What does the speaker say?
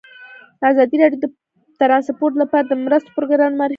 ازادي راډیو د ترانسپورټ لپاره د مرستو پروګرامونه معرفي کړي.